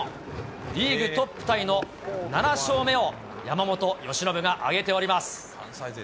リーグトップタイの７勝目を山本由伸が挙げております。